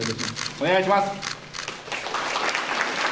お願いします。